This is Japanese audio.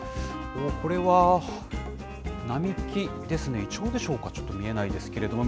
これは並木ですね、イチョウでしょうか、ちょっと見えないですけれども。